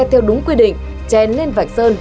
theo đúng quy định chén lên vạch sơn